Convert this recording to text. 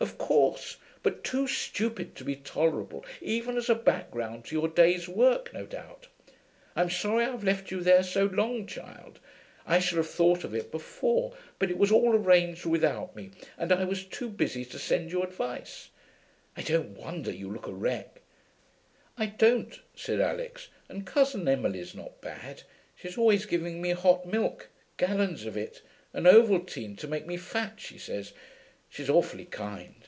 'Of course. But too stupid to be tolerable, even as a background to your day's work, no doubt. I'm sorry I've left you there so long, child. I should have thought of it before, but it was all arranged without me, and I was too busy to send you advice. I don't wonder you look a wreck.' 'I don't,' said Alix. 'And Cousin Emily's not bad. She's always giving me hot milk gallons of it. And ovaltine, to make me fat, she says. She's awfully kind.'